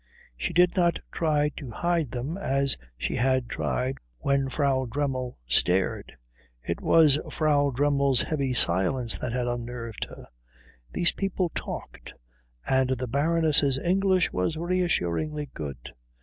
She did not try to hide them as she had tried when Frau Dremmel stared. It was Frau Dremmel's heavy silence that had unnerved her. These people talked; and the Baroness's English was reassuringly good.